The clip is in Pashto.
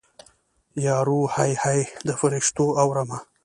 یارو هی هی د فریشتو اورمه